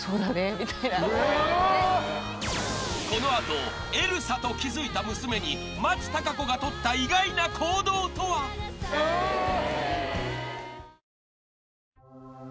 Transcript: ［この後エルサと気付いた娘に松たか子がとった意外な行動とは］晴れましたねー。